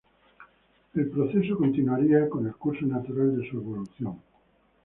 El proceso continuaría con el curso natural de su evolución.